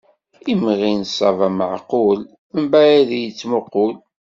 Imɣi n ṣṣaba meɛqul, mbaɛid i d-yettmuqul.